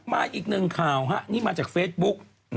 อีกหนึ่งข่าวนี่มาจากเฟซบุ๊ก